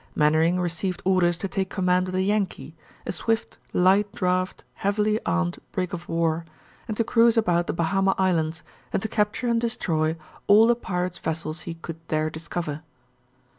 Mainwaring received orders to take command of the Yankee, a swift, light draught, heavily armed brig of war, and to cruise about the Bahama Islands and to capture and destroy all the pirates' vessels he could there discover.